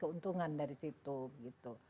keuntungan dari situ gitu